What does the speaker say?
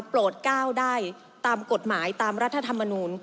โปรดก้าวได้ตามกฎหมายตามรัฐธรรมนูล